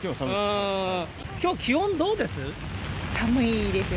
きょう、気温どうです？